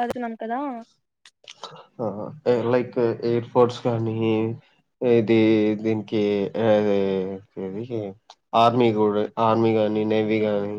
అది నమ్ముతాదా ఆ లైక్ ఎయిర్ ఫోర్స్ కానీ ఇది దీనికి ఏది ఆర్మీ కూడా ఆర్మీ గానీ నేవీ గాని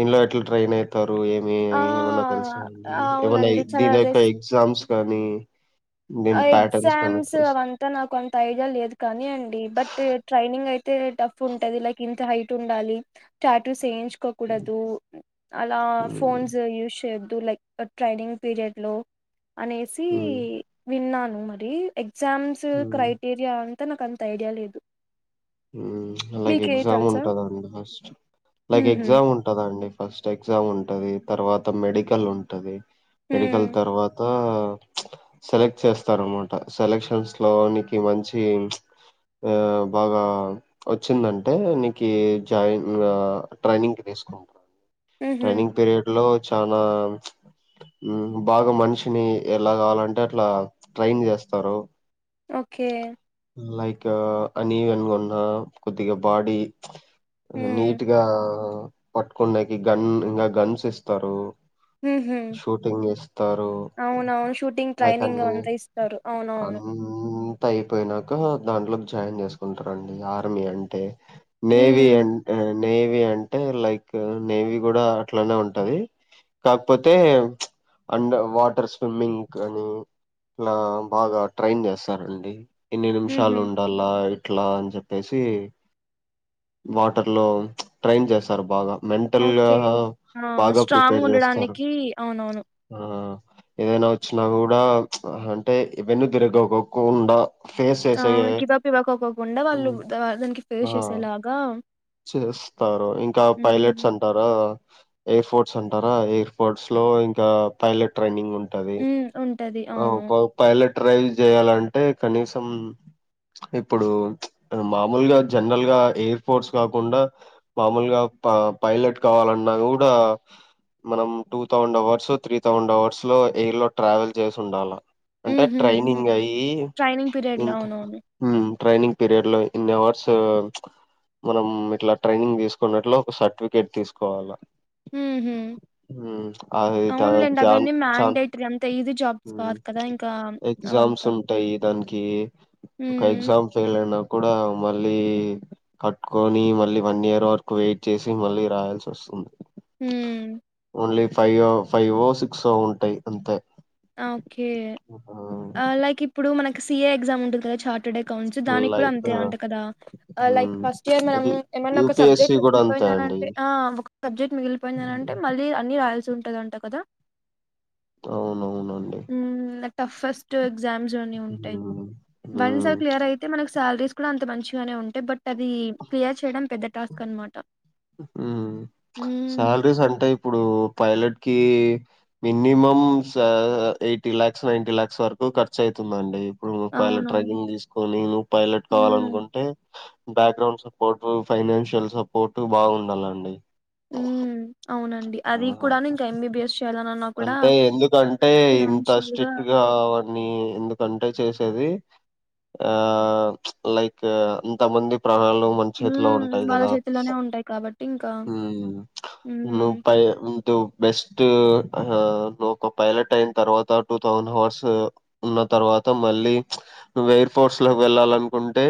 ఇండ్ల ఎట్లా ట్రైన్ అయితారు ఏమి ఆ ఏమన్నా తెలుసాండి ఏమ అవునండి చాలా దీని యొక్క రెస్ ఎగ్జామ్స్ కానీ దీని ప్యాటర్న్స్ కానీ ఎగ్జామ్స్ తెలుసా? అవంతా నాకు అంత ఐడియా లేదు కాని అండి బట్ ట్రైనింగ్ అయి తే టఫ్ ఉంటది లైక్ ఇంత హైట్ ఉండాలి టాటూస్ ఎఇన్ చకోకూడదు అలా ఉమ్, ఫోన్స్ యూస్ చేయ లైక్ ట్రైనింగ్ పిరియడ్ లో అనేసి ఉమ్, విన్నాను మరి ఎక్సామ్స్ ఉమ్, క్రైటేరియా నాకు అంత ఐడియా లేదు ఉమ్ లైక్ మీకే ఎగ్జామ్ తెలుసా ఉంటదండి ఫస్ట్ లైక్ ఉహు ఎగ్జామ్ ఉంటదాండి ఫస్ట్ ఎగ్జామ్ ఉంటది తర్వాత మెడికల్ ఉంటది ఉ మేడికల తర్వాత సెలెక్ట్ చేస్తారనమాట సెలెక్షన్స్ లోనికి మంచి ఆ బాగా వచ్చిందంటే నీ జాయిన్ ట్రైనింగ్ తీసుకుంటా ఉహు ట్రైనింగ్ పీరియడ్ లో చాలా బాగా మనిషిని ఎలా కావాలంటే అట్లా ట్రైన్ చేస్తారు ఓకే అన్ఈవెన్ గా ఆ కొద్దిగా బాడి ఉ నీట్గా పట్టుకుండేకి గన్ ఇంకా గన్స్ ఇస్తారు హా హ్మ్మ్ షూటింగ్ ఇస్తారు అవునవును షూటింగ్ లైక్ ట్రైనింగ్ అన్ని అంతా ఇస్తారు అవునవును అంతా అయిపోయినాక దాంట్లో జాయిన్ చేసుకుంటారు రండి ఆర్మీ అంటే నేవి హ్మ్. అండ్ ఆన్ నేవీ అంటే లైక్ నేవీ గూడా అట్లానే ఉంటది. కాకపోతే అండ వాటర్ స్విమ్మింగ్ అని లా బాగా ట్రైన్ చేస్తారండి. ఎన్ని నిమిషాలు హుహు. ఉండాల్ల ఎ ట్లా అని చెప్పేసీ వాటర్ లో ట్రైన్ చేస్తారు బాగా ఓకే. మెంటల్లాహ ఆ! బాగా స్ట్రాంగ్ ప్రిపేర్ చేస్తారు ఉండడానికి అవునవును. ఆ ఏదైనా వచ్చినా గూడా అంటే ఇవన్ని దొరగకోకుండా ఫేస్ చేసేగే కోకోకుండా వాళ్ళు దా దానికి ఫేస్ చేసేలాగా చేస్తారు ఇంకా హ్మ్. పైలట్స్ అంటారా అ‌ ఎయిర్ ఫోర్ట్స్ అంటారా ఎయిర్ ఫోర్ట్స్ లో ఇంకా పైలట్ ట్రైనింగ్ ఉన్ టది హ్మ్. ఉంటది. ఆ అవును. ప పైలట్ డ్రైవ్ చేయాలంటే కనీసం ఇప్పుడు మామూలుగా జనరల్ గా ఎయిర్ ఫోర్ట్స్ కాకుండా మామూలుగా ప పైలట్ కావాలన్నా గూడా మనం two thousand hours three thousand hours లో ఎయిర్ లో ట్రావెల్ చేసి ఉండాల అంటే హుహు. హ్మ్. ట్రైనింగ్ అయ్యి ట్రైనింగ్ పీరియడ్‌లో ఇంత అవునవును. ఊ ట్రైనింగ్ పీరియడ్ లో ఇన్ని అవర్స్ మనం ఇట్లా ట్రైనింగ్ తీసుకున్నట్లు ఒక సర్టిఫికేట్ తీసుకోవాలా హుహు. అదీ త అవునులెండి. చాన్ అవన్నీ చాన్ మ్యాండేటరీ అంత ఈజీ జాబ్స్ కాదు కదా! ఇంకా ఎగ్జామ్స్ అవంతా. ఉంటయి దానికీ ఒక హ్మ్. ఎగ్జామ్ ఫెయిల్ అయినా కూడా మళ్ళీ కట్టుకొనీ మళ్ళీ వన్ ఇయర్ వరకు వెయిట్ చేసి మళ్ళీ రాయాల్సి వస్తుంది ఊ ఓన్లీ ఫై ఓ ఫైవో సిక్సో ఉంటాయి అంతే ఆ ఓకే లైక్ ఇప్పుడు మనకి సిఏ ఎగ్జామ్ ఉంటది టే చార్టెడ్ ఎ కౌంట్స్ దానికి కూడా లైక్ అంతే అంట కదా ఆ లైక్ ఫస్ట్ ఇయర్ మనము అది ఏమన్నా ఒక యూపిఎస్సి సబ్జెక్ట్ కూడా అంతే అండి మిగిలిపోయిందనంటే ఆ ఒక సబ్జెక్ట్ మిగిలిపోయిందనంటే మళ్ళీ అన్నీ రాయాల్సి ఉన్ ట్ట దంట కద అవునవునండి ఊమ్ టఫస్ట్ ఎగ్జామ్స్ అని ఉంటాయి ఉమ్, వన్స్ ఉమ్, ఆ క్లియర్ అయితే మనకి సాలరీస్ కుడా అంత మంచిగానే ఉంటాయి బట్ అదీ క్లియర్ చేయడం పెద్ద టాస్క్ అనమాట ఊ హ్మ్. శాలరీస్ అంటే ఇ ఇప్పుడూ పైలట్ కీ మినిమం సా ఎయిటీ లాక్స్ నైన్టీ లాక్స్ వరకు ఖర్చు అయితుందండి నువ్వూ పైలట్ అవునవును. ట్రైకింగ్ తీసుకొని నువ్వు పైలట్ హ్మ్. కావాలనుకుంటే background support financial support to బాగుండాలండి ఊ అవునండి అది ఆహా! కూడా నే ఇంకా ఎంబీబిఎస్ చెయాల అంటే ఎందుకంటే ఇంత ఫినాన్షియల్‌గా స్ట్రిక్ట్ గా అవన్నీ ఎందుకంటే చేసేది ఆ లైక్ ఇంత మంది ప్రనాల్ మన చేతిలో హ్మ్. ఉంటాయి వాళ్ళ కదా చేతుల్లోనే ఉంటాయి కాబట్టి ఇంకా హ్మ్ ను హ్మ్ పై దు బెస్ట్ తూ ఆ హా నువ్ ఒక పైలట్ అయిన తర్వాత టూతౌసండ్ అవర్స్ ఉన్న తర్వాత మళ్ళీ, నువ్ ఎయిర్ ఫోర్స్ లోకి వెళ్ళాల అనుకుంటే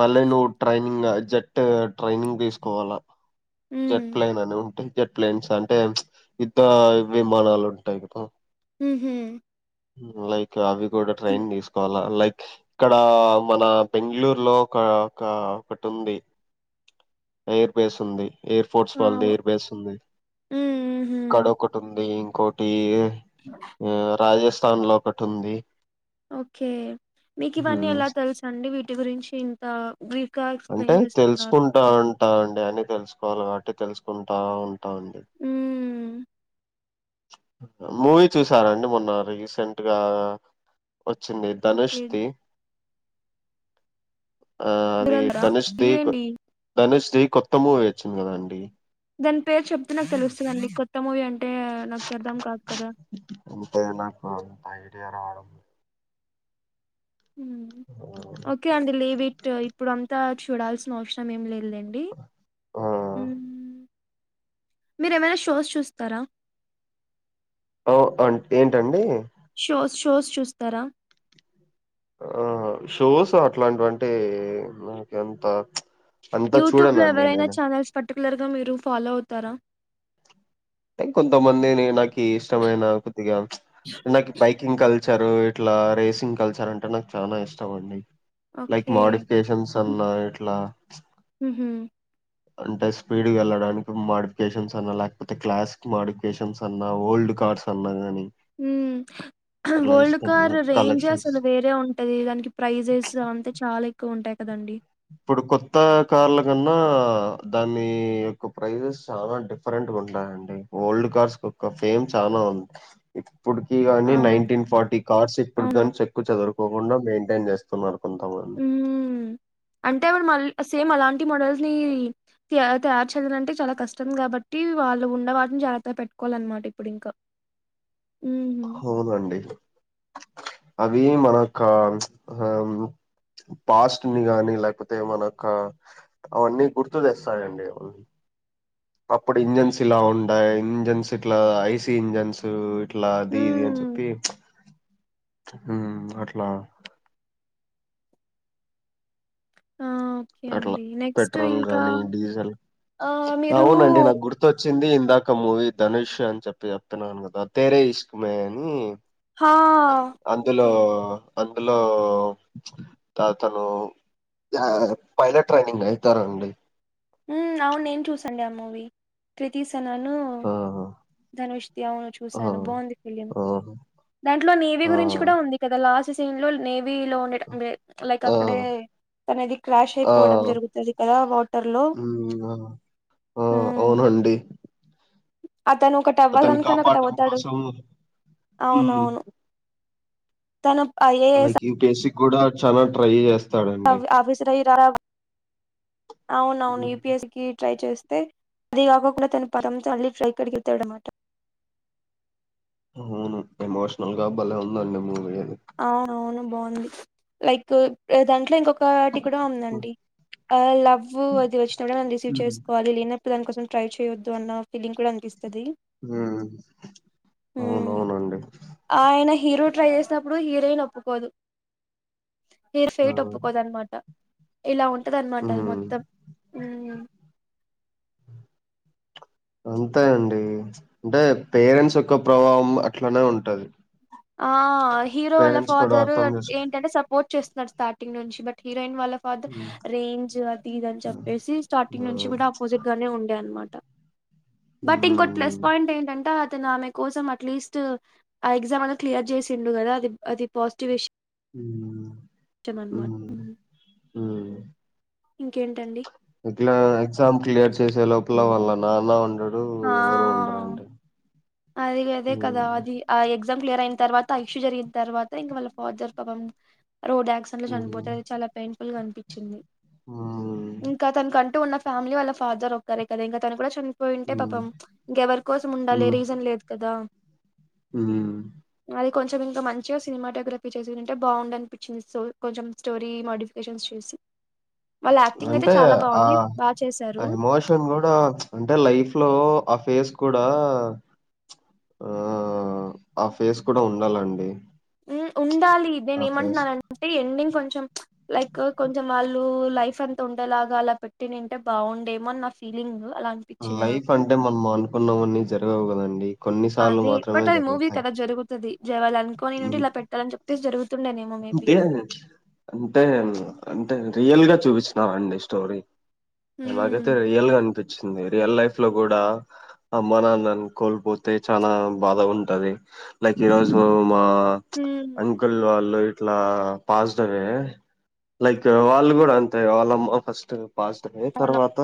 మళ్ళీ నువ్వు ట్రైనింగ్ జెట్ ట్రైనింగ్ తీసుకోవాలా. జెట్ హ్మ్. ప్లైన్ అని ఉంటే జెట్ ప్లేన్స్ అంటే యుద్ధ విమానాలు ఉంటాయి హ్ హు హ్మ్ లైక్ అవి కూడ ట్రైన్ తీసుకోవాలా లైక్ ఇక్కడ మన బెంగళూరు లో ఒక ఒక ఒకటి ఉంది ఎయిర్ బేస్ ఉంది, ఎయిర్ ఫోర్ట్స్ ఆ! వాళ్ళది ఎయిర్ బేస్ ఉంది హ్మ్. ఇక్కడ హుహు. ఒక. టుంది ఇంకోటి ఆ రాజస్ తన్ లో ఒకటి ఉంది ఓకే మీకు ఇవన్నీ హ్మ్ ఎలా తెలుసు అండి వీటి గురించి ఇంత బ్రీఫ్ గా ఎక్స్ప్లెయిన్ చేస్తున్నారు హ అండి అన్ని తెలుసుకోవాలి కాబట్టి తెలుసుకుంటా ఉ టాండి హ్మ్. మూవీ చూసారండి మొన్న రీసెంట్గా వచ్చింది ధనుష్ ఓకే. ది ఆ అది 'దురంధరా'? ధనుష్ ది ఇయ్యేండి? ధనుష్ ది కొత్త మూవీ వచ్చింది కదా అండి దాని పేరు చెప్తే నాకు తెలుస్తదండి. కొత్త మూవీ అం ఉంటే నాకు [unintelligible] ఓకే అండి లేవిట్ ఇప్పుడు అంతా చూడాల్సిన అవసరం ఏం లేదు లెండి ఆ మీరేమైనా షోస్ చూస్తారా ఓ అ ఏంటండి షోస్ షోస్ చూస్తారా ఆ షోస్ అట్లాంటివంటే మనక ఎంత అంతా చూడనండి నేను పర్టికులర్గా మీరు ఫాలో అవుతారా అ కొంతమంది న నా ఇష్టమైన కొద్దిగా బైకింగ్ కల్సి కల్చారు ఇట్లా రేసింగ్ కల్చర్ అంటే నాకు చాలా ఇష్టం అండి లైక్ ఓకే. మాడిఫికేషన్స్ అన్నా ఇట్లా హుహు. అంటే స్పీడ్ వెళ్ళడానికి మాడిఫికేషన్స్ అన్నా లేకపో అ క్లాసిక్ మాడిఫికేషన్స్ అన్నా ఓల్డ్ కార్డ్స్ అన్నా కానీ మ్మ్ ఓల్డ్ కార్ నాకు రేంజ్ కలెక్షన్స్ అసలు వేరే ఉంటుది దానికి ప్రైజెస్ అంతే చాలా ఎక్కువ ఉంటాయి కదండి ఇప్పుడు కొత్త కార్ల కన్నా దాని యొక్క ప్రైజెస్ చాలా డిఫరెంట్ ఉంటాయండి ఓల్డ్ కార్స్ కోక్క ఫేమ్ చాలా ఉంది ఇప్పుడుకి ఆ! గాని నైన్టీన్ ఫార్టీ కార్స్ ఇప్పుడు అవునా? గనీ చెక్కు చదరరు ఇకుండా మెయింటైన్ చేస్తున్నారు కొంతా పో హ్మ్. అంటే మళ్ళీ సేమ్ అలాంటి మోడల్స్ని తయారు చేయాలంటే చాలా కష్టం కాబట్టి వాళ్ళు ఉన్న వాటిని జాగ్రత్తగా పెట్టుకోవాలన్నమాట ఇప్పుడు ఇంకా అవునండి అవి మనయొక్క పాస్ట్ ని గాని లేకపోతే మనకి అవన్నీ గుర్తు తెస్తాారంండి అప్పుడు ఇంజిన్స్ ఇలా ఉంటాయి ఇంజిన్స్ ఇట్లా ఐసి ఇంజిన్స్ అట్లా అది ఇది అని చెప్పి హ్మ్. మ్మ్ అట్లా ఆ! ఓకే అట్లా అండి. నెక్స్ట్ పెట్రోల్ ఇంకా గానీ డీజిల్ ఆహ్, మీరు అవునండి నాకు గుర్తుచ్చింది ఇందాక మూవీ ధనుష్ అని చెప్పి చెప్తున్నాను కదా తేరే ఇసుకమే అని హా అందులో ఓకే అందులో తతను పైలట్ ట్రైనింగ్ అవుతారండి అవును నేను చూసండి ఆ మూవీ క్రిత ను ఆ ధనుష్తి అవును ఆ చూశాను బాగుంది ఫిలిం ఆ దాంట్లో నేవీ ఆ గురించి కూడా ఉంది కదా లాస్ట్ సీన్లోల్ నేవి వ లో ఉండే లైక్ ఆ అక్కడే అనేది క్రాష్ ఆ అయిపోవడం జరుగుతుంది కదా వాటర్ లో ఆ అవును అండి అతను ఒకటి అవ్వాలనుకని ఒకటి కాపాడటం అవుతాడు కోసం హ్మ్ అవునవును తన ఏ అలాకి బేసిక్ కూడా చాల ట్రై చేస్తా ఆఫీసర్ అయ అవున అవును యుపిస్సి కి ట్రై చేసి అదిగా కూడా తన పరమ అల్ళీ ట్రై కడికితే విడమాటారు అవును ఎమోషనల్ గా బలే ఉందండి మూవీ అది అవును బాగుంది లైక్ దాంట్లో ఇంకొక కాటి ఇ కూడా హ్మ్ ఉందండి ఆ లవ్ అది వచ్చినప్పుడు మనం రిసీవ్ హ్మ్ చేసుకోవాలి లేనప్పుడు దానికోసం ట్రై చేయొద్దు అన్న ఫీలింగ్ కూడా అనిపిస్తు హ్మ్మ్ హ్మ్ అవునవునండి ఆయన హీరో ట్రై చెస్ చిప్పుడు హీరోయిన్ ఒప్పుకోదు విల్లా ఆ ఫేట్ ఒప్పుకోదన్నమాట ఇలా ఉం ట్టదనమాట అది హ్మ్ మొత్తం ఉమ్ అంతే అండి అంటే పేరెంట్స్ యొక్క ప్రభావం అట్లానే ఉంటది ఆ హీరో వాళ్ళ పేరెంట్స్ కూడా ఫాదర్ అర్థం చేసుకు ఏంటంటే సపోర్ట్ చేస్తున్నాడు స్టార్టింగ్ నుంచి బట్ హి రోయిన్ వాళ్ళ ఫాదర్ హ్మ్ రేంజ్ అది ఇది అని హ్మ్ చెప్పేసి స్టార్టింగ్ ఆ! నుంచి కూడా ఆపోజిట్ గానే ఉండే అనమాట హ్మ్ బట్ ఇంకో ప్లస్ పాయింట్ ఏంటంటే ఆ తే ఆమె కోసం అట్లెస్ట్ ఆ ఎగ్జా అనా క్లియర్ చేసిండుద అది అది పాజిటివ్ విష మ్ హ్మ్. మ్ ఇంకేంటండి ఇట్లా ఎగజామ్ క్లియర్ చేసే లో పలా వల నానా ఉండదు ఆ అది అదే కదా ఉమ్ అది ఆ ఎ ఎగ్జా క్లియర్ అయిన తర్వాత ఇక్షు జరిగిన తర్వాత ఇంకా వాళ్ళ ఫాదర్ పాపం రోడ్ యాక్సిడెంట్ లో ఉమ్ చనిపోతే అది చాలా పెయిన్ ఫుల్ గా అనిపించింది ఉమ్ ఇంకా తన ఉన్న ఫ్యామిలీ వాళ్ళ ఫాదర్ ఒక్కరే కదా ఇంకా తను కూడా చనిపోయి అంటే ఉమ్ పాపం ఇంకెవరి కోసం ఉండాలి ఉమ్ రీజన్ లేదు కదా ఉమ్ అది కొంచెం ఇంకా మంచిగా సినిమాటోగ్రఫీ చేసింటంటే బాగుంది అనిపించింది సో కొంచెం స్టోరీ మాడిఫికేషన్స్ చేసి వాళ్ళ యాక్టింగ్ అయితే అంటే చాలా ఆ బాగుంది బాగా చేశారు ఎమోషన్ కూడా అంటే లైఫ్ అట్ లో ఆ ఫేస్ కూడా ఆ ఆ ఫేస్ కూడా ఉండాలండి ఉ ఉండాలి ఇదే ఆ ఫేస్ ఏమంటున్నానంటే ఎండింగ్ కో కొంచం లైక్ కొంచెం వాళ్ళు లైఫ్ అంత ఉండేలాగా అలా పెట్టి తంటే బాగుండేమో అని నా ఫీలింగ్ అలా అనిపించింది లైఫ్ నాకు అంటే మనం అనుకున్నవన్నీ జరగవు కదండి ండి అదే బట్ అది మూవీ కదా జరుగుతుంది జయాలి అనుకోని నుండి ఉమ్. ఇలా పెట్టాలని చెప్పేసి జరుగుత అంటే అంటే అంటే రియల్ గా చూపిచ్నార్ అండి స్టోరీ నాకైతే ఉమ్ రియల్ గా అనిపించింది రియల్ లైఫ్ లో కూడా అమ్మా నాన్నని కోల్పోతే చనా బాధ ఉంటది లైక్ ఈరోజు మా ఉమ్ అంకుల్ వాళ్ళు అట్లా పాస్టరే లైక్ వాళ్ళు కూడా అంతే వాళ్ళమ్మ ఫస్ట్ పాస్టరే అవును తర్వాత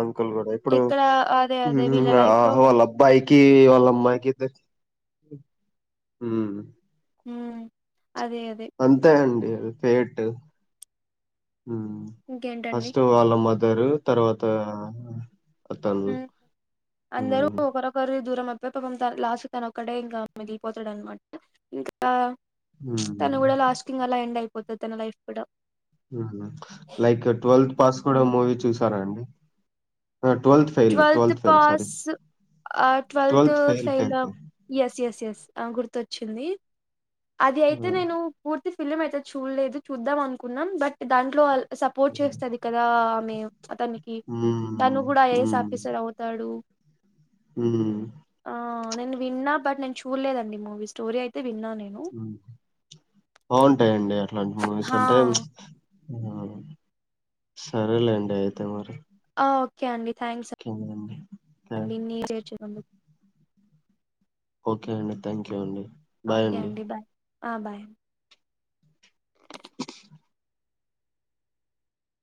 అం కుల్ కూడా ఇప్పుడు ఇక్కడ అదే అదే వీళ్ళ హ్మ్ లైఫ్ లో వాళ్ళ అబ్బాయి కీ వాళ్ళమ్మై కీర్తి హు ఉ అంతే అండి ఫేట్ హు ఇంకేంటండి ఫస్ట్ వాళ్ళ మ దరు తర్వాత అతను హు అందరు ఉమ్, ఒకరొకరు దూరమవ్ పాపము తన్ లాస్ట్ తన ఒక్కడే ఇంకా మిగిలిపోతాడనమాట ఇంకా ఉమ్. తను కూడా లాస్ట్ కింగ్ అలా ఎండ్ అయి పొత్త తన లైఫ్ కూడా ఉహు లైక్ ట్వెల్త్ పాస్ కూడా హ్మ్. మూవీ చూసారా అండి ఆ, twelfth fail twelfth fail sorry pass ఆ twelfth fail yes yes yes ఆ గుర్తొచ్చింది అది అయితే నేను పూర్తి థిస్ ఫిలిం అయితే చూల్లేదు చూద్దాం అనుకున్నాం బట్ దాంట్లో అల్ సపోర్ట్ మ్మ్. చేస్తది కదా ఆమే అతనికి తను మ్మ్. కూడా ఐఎస్ ఆఫీసర్ అవుతాడు హు ఆ నేను విన్నా బట్ నేను చూడలేదండి మూవీ స్టోరీ అయితే విన్నా నేను బాగుంటాయండి అట్లాంటి మూవీస్ హా అంటే హ్మ్ సరేలేండి అయితే మరి ఓకే అండి థ్యాంక్స్ అండి దీన్ని చేర్చి నందుకు ఓకే అండి థ్యాంక్ యూ అండి ఓకే అండి బాయ్ ఆ బాయ్